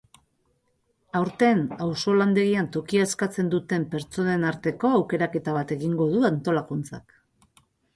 Aurten auzolandegian tokia eskatzen duten pertsonen arteko aukeraketa bat egingo du antolakuntzak.